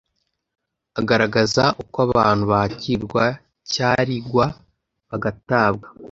Agaragaza uko abantu bakirwa cyari, gwa bagatabwa.